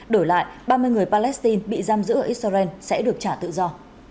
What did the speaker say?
đổi lại ba mươi người palestine bị giam giữ ở israel sẽ được trả tự do